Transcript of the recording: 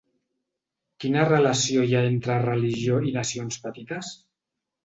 Quina relació hi ha entre religió i nacions petites?